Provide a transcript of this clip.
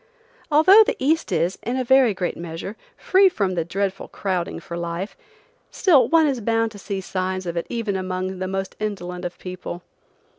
Although the East is, in a very great measure, free from the dreadful crowding for life, still one is bound to see signs of it even among the most indolent of people.